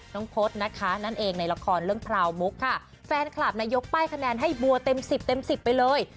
พจน์นะคะนั่นเองในละครเรื่องพราวมุกค่ะแฟนคลับนะยกป้ายคะแนนให้บัวเต็มสิบเต็มสิบไปเลย